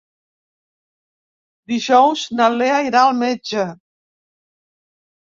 Dijous na Lea irà al metge.